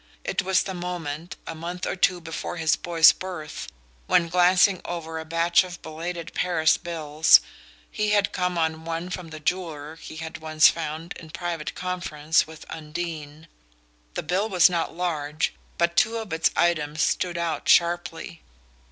It was the moment, a month or two before his boy's birth, when, glancing over a batch of belated Paris bills, he had come on one from the jeweller he had once found in private conference with Undine. The bill was not large, but two of its items stood out sharply.